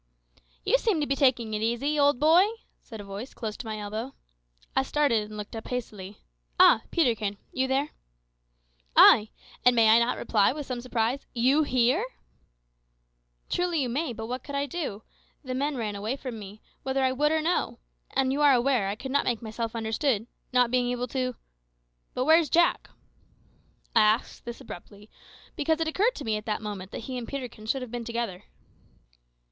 "You seem to be taking it easy, old boy," said a voice close to my elbow. I started, and looked up hastily. "Ah! Peterkin. You there?" "Ay; and may I not reply, with some surprise, you here?" "Truly you may, but what could I do? The men ran away from me, whether I would or no; and you are aware I could not make myself understood, not being able to But where is Jack?" I asked this abruptly, because it occurred to me at that moment that he and Peterkin should have been together.